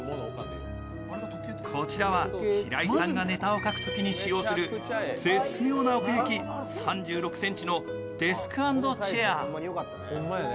こちらは平井さんがネタを書くときに使用する絶妙な奥行き、３６ｃｍのデスク＆チェア。